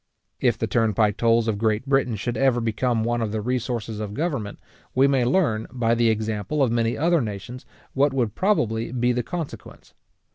If the turnpike tolls of Great Britain should ever become one of the resources of government, we may learn, by the example of many other nations, what would probably be the consequence.